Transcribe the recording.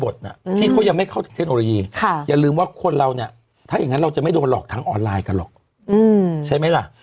ถ้าอย่างงั้นเราจะไม่ดวนหลอกทั้งออนไลน์กันหลอกใช่ไม่ล่ะ